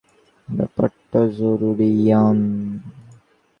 ব্যাপারটা জরুরি, ইয়ান।